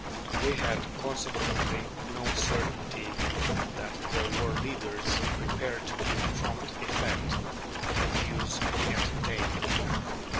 We had consequently no certainty that there were leaders prepared to give prompt effect to the views we entertained.